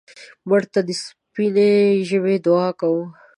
مړه ته د سپینې ژبې دعا کوو